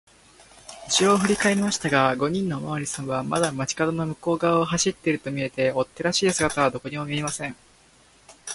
うしろをふりかえりましたが、五人のおまわりさんはまだ町かどの向こうがわを走っているとみえて、追っ手らしい姿はどこにも見えません。